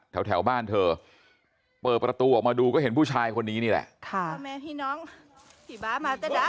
แถวแถวบ้านเธอเปิดประตูออกมาดูก็เห็นผู้ชายคนนี้นี่แหละค่ะพ่อแม่พี่น้องสีบ้ามาก็ได้